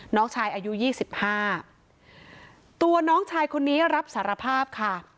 น้องชายอายุ๒๕ตัวน้องชายคนนี้รับสารภาพค่ะ